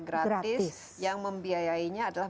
gratis yang membiayainya adalah